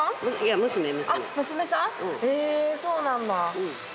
へぇそうなんだ。